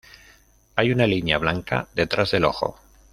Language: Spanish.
Hay una línea blanca detrás del ojo.